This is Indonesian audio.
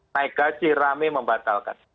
naik gaji rame membatalkan